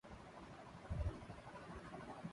Aishwarya Rai Instagram پر debut کے بعد اپنی ٹیم سے ناخوش